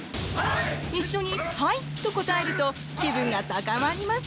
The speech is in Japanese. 一緒に「はい！」と答えると気分が高まります。